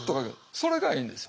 それがいいんですよ。